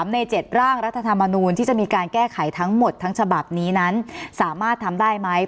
ใน๗ร่างรัฐธรรมนูลที่จะมีการแก้ไขทั้งหมดทั้งฉบับนี้นั้นสามารถทำได้ไหม